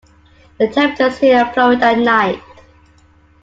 The temperatures here plummet at night.